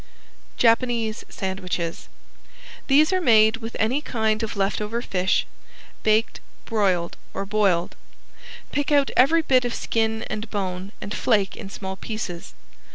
~JAPANESE SANDWICHES~ These are made of any kind of left over fish, baked, broiled or boiled. Pick out every bit of skin and bone, and flake in small pieces.